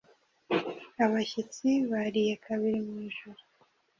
Abashyitsi bariye kabiri mwijoro